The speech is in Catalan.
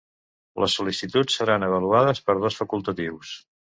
Les sol·licituds seran avaluades per dos facultatius.